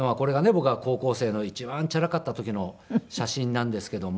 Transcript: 僕が高校生の一番チャラかった時の写真なんですけども。